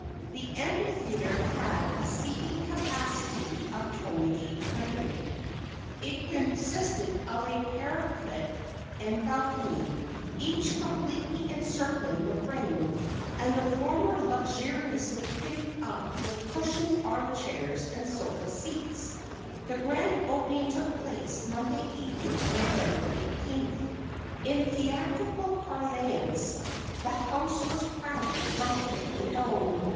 The amphitheatre had a seating capacity of 2,800. It consisted of parquette and balcony, each completely encircling the ring, and the former luxuriously fitted up with cushioned arm chairs and sofa seats. The grand opening took place Monday evening, November 18th. In theatrical parlance, the house was crowded from "pit to dome."